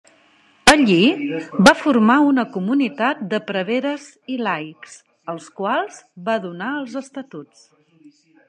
Allí va formar una comunitat de preveres i laics, als quals va donar els estatuts.